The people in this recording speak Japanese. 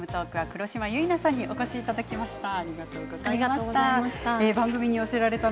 黒島結菜さんにお越しいただきました。